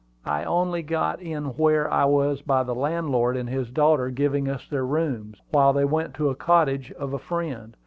I only got in where I was by the landlord and his daughter giving us their rooms, while they went to a cottage of a friend.